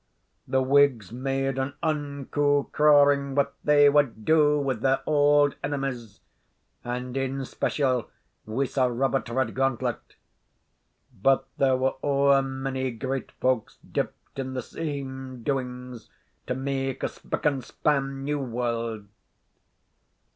The Whigs made an unco crawing what they wad do with their auld enemies, and in special wi' Sir Robert Redgauntlet. But there were ower mony great folks dipped in the same doings to make a spick and span new warld.